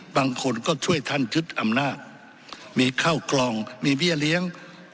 บางคนก็ช่วยท่านยึดอำนาจมีข้าวกล่องมีเบี้ยเลี้ยง